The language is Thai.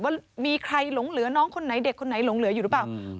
ว่ามีใครหลงเหลือน้องคนไหนเด็กคนไหนหลงเหลืออยู่หรือเปล่า